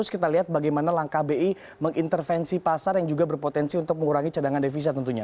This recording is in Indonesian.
kita lihat bagaimana langkah bi mengintervensi pasar yang juga berpotensi untuk mengurangi cadangan devisa tentunya